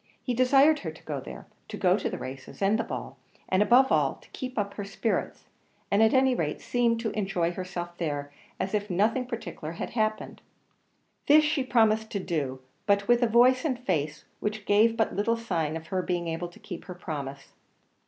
He desired her to go there to go to the races and the ball and, above all, to keep up her spirits, and at any rate seem to enjoy herself there as if nothing particular had happened. This she promised to do, but with a voice and face which gave but little sign of her being able to keep her promise.